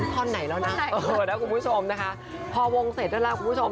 ท่อนไหนแล้วน่ะท่อนไหนเออน่ะคุณผู้ชมนะคะพอวงเสร็จแล้วน่ะคุณผู้ชม